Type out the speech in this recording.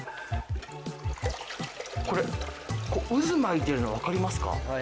これこう渦巻いてるのわかりますか？